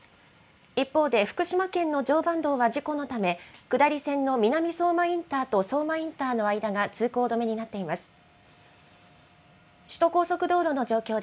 一方で福島県の常磐道は事故のため、下り線の南相馬インターと相馬インターの間が通行止めになっています。